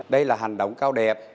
đây là hành động cao đẹp